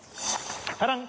タラン。